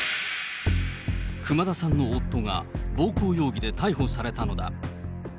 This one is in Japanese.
熊田さんの夫が、暴行容疑で逮捕されたのだ。